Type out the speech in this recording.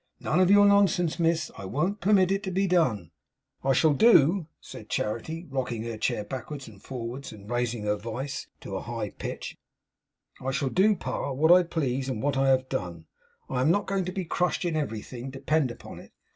None of your nonsense, Miss! I won't permit it to be done.' 'I shall do,' said Charity, rocking her chair backwards and forwards, and raising her voice to a high pitch, 'I shall do, Pa, what I please and what I have done. I am not going to be crushed in everything, depend upon it.